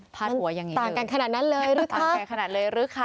พลาดหัวอย่างนี้เลยต่างกันขนาดนั้นเลยหรือคะ